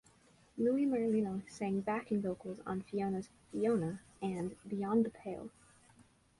Louie Merlino sang backing vocals on Fiona's "Fiona" and "Beyond The Pale".